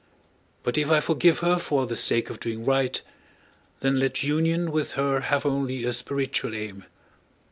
But if I forgive her for the sake of doing right, then let union with her have only a spiritual aim.